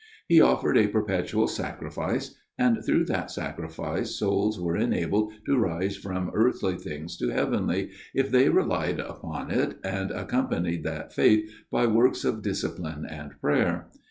He offered a perpetual sacrifice, and through that sacrifice souls were enabled to rise from earthly things to heavenly, if they relied upon it and accompanied that faith by works of dis cipline and prayer.